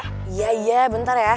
iya iya bentar ya